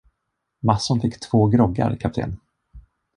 Mattsson fick två groggar, kapten!